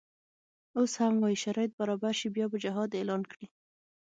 اوس هم وایي شرایط برابر شي بیا به جهاد اعلان کړي.